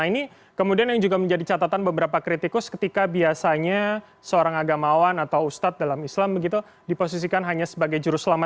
nah ini kemudian yang juga menjadi catatan beberapa kritikus ketika biasanya seorang agamawan atau ustadz dalam islam begitu diposisikan hanya sebagai jurus lama